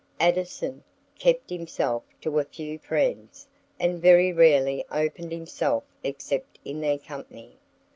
Addison kept himself to a few friends, and very rarely opened himself except in their company.